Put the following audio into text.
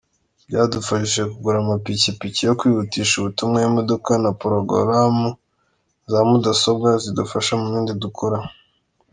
Byadufashije kugura amapikipiki yo kwihutisha ubutumwa, imodoka na porogaramu za mudasobwa zidufasha mubindi dukora.